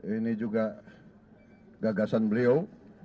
ini juga gagasan beliau